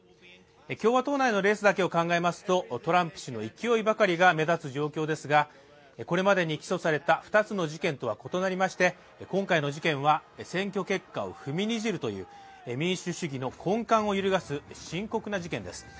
共和党内のレースだけを考えますと、トランプ氏の勢いばかりが目立つ状況ですが、これまでに起訴された２つの事件とは異なりまして今回の事件は選挙結果を踏みにじるという民主主義の根幹を揺るがす深刻な事件です。